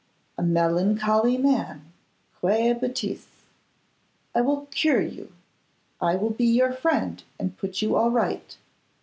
'A melancholy man! Quelle bêtise! I will cure you. I will be your friend and put you all right.